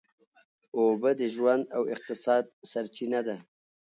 اوبه د ژوند او اقتصاد سرچینه ده.